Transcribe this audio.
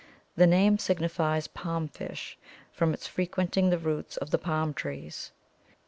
The name signifies palm fish, from its frequenting the roots of the palm trees.